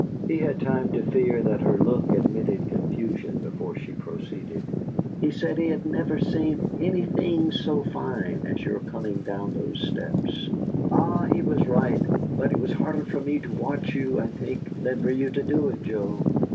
He had time to fear that her look admitted confusion before she proceeded: "He said he had never seen anything so fine as your coming down those steps. Ah, he was right! But it was harder for me to watch you, I think, than for you to do it, Joe.